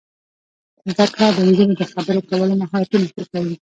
زده کړه د نجونو د خبرو کولو مهارتونه ښه کوي.